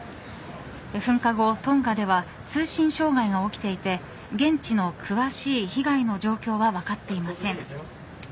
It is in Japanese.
噴火後、トンガでは通信障害が起きていて現地の詳しい被害の状況は分かっていません。